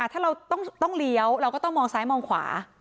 ถ้าเราต้องเลี้ยวเราก็ต้องมองซ้ายมองขวา